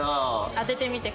当ててみてください。